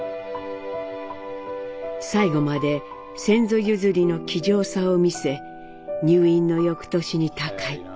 最後まで先祖譲りの気丈さを見せ入院の翌年に他界。